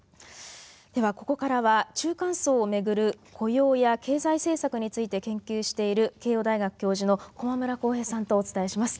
ではここからは中間層を巡る雇用や経済政策について研究している慶応大学教授の駒村康平さんとお伝えします。